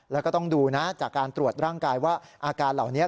แล้วก็ต้องดูนะจากการตรวจร่างกายว่าอาการเหล่านี้